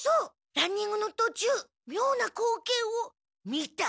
ランニングのとちゅうみょうな光景を見た！